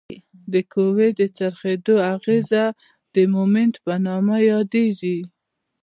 د قوې د څرخیدو اغیزه د مومنټ په نامه یادیږي.